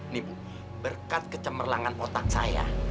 nih bu berkat kecemerlangan otak saya